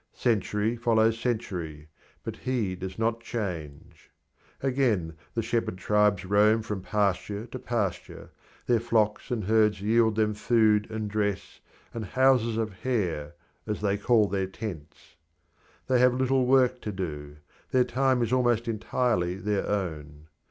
Century follows century, but he does not change. Again, the shepherd tribes roam from pasture to pasture; their flocks and herds yield them food and dress and "houses of hair," as they call their tents. They have little work to do; their time is almost entirely their own.